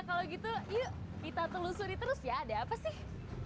kalau gitu yuk kita telusuri terus ya ada apa sih